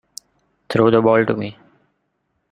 Throw the ball to me.